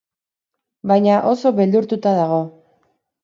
Baina oso beldurtuta dago.